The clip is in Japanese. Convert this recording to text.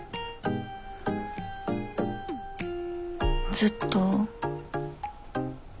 ずっと。